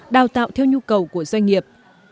đào tạo theo nhu cầu của doanh nghiệp